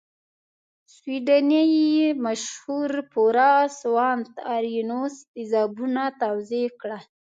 سویډنۍ مشهور پوه سوانت ارینوس تیزابونه توضیح کړل.